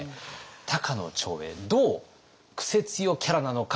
高野長英どうクセ強キャラなのか